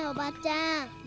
・ん？